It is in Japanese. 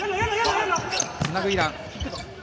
つなぐイラン。